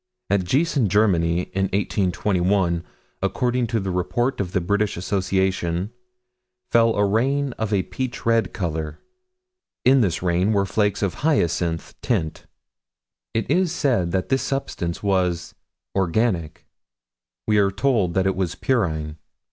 At Giessen, Germany, in 1821, according to the Report of the British Association, 5 2, fell a rain of a peach red color. In this rain were flakes of a hyacinthine tint. It is said that this substance was organic: we are told that it was pyrrhine.